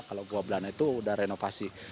kalau gua belanda itu udah renovasi